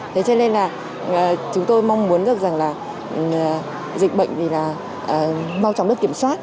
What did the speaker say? thế cho nên là chúng tôi mong muốn được rằng là dịch bệnh thì là mau chóng được kiểm soát